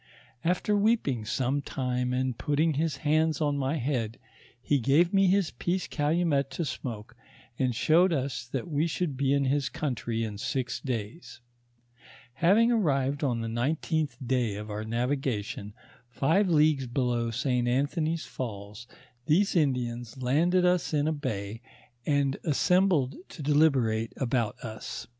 After weeping some time, and putting his hands on my head, he gave me his peace calumet to smoke, and showed us that we should be in his country in six days. Having arrived on the nineteenth day of our navigation five leagues below St. Anthony's falls, these Indians landed DISOOTBBIES IN THB MIS8I88IPPI TALLET. 128 US in a bay and assembled to deliberate abont ns.